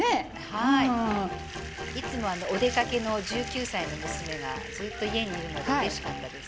いつもお出かけの１９歳の娘がずっと家にいるのでうれしかったです。